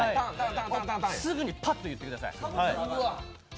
すぐにパッと言ってください。